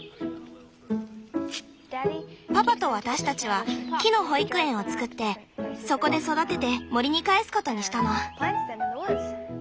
パパと私たちは木の「保育園」を作ってそこで育てて森に還すことにしたの。